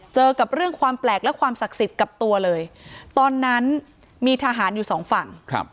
เจอกับเรื่องความแปลกและความศักดิ์สิทธิ์กับตัวเลยตอนนั้นมีทหารอยู่สองฝั่ง